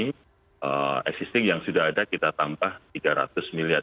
dan kita sudah menemukan anggaran yang diberikan oleh pemerintah kota semarang